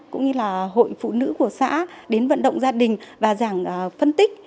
cũng như là hội phụ nữ của xã đến vận động gia đình và giảng phân tích